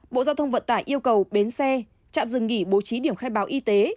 bộ giao thông vận tải yêu cầu bến xe trạm dừng nghỉ bố trí điểm khai báo y tế